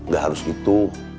gak harus gitu